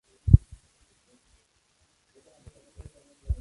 Gran parte de su obra temprana muestra la influencia de Stravinsky y Debussy.